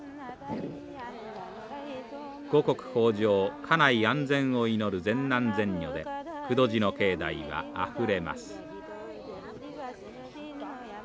五穀豊じょう家内安全を祈る善男善女で久渡寺の境内はあふれます。